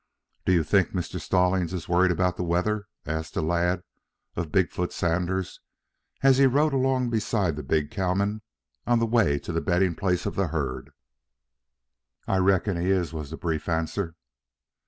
"Do you think Mr. Stallings is worried about the weather?" asked the lad of Big foot Sanders, as he rode along beside the big cowman on the way to the bedding place of the herd. "I reckon he is," was the brief answer.